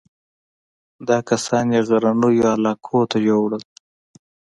دا کسان یې غرنیو علاقو ته یووړل.